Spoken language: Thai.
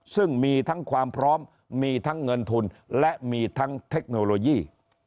ซึ่งมีทั้งความพร้อมมีทั้งเงินทุนและมีทั้งเทคโนโลยี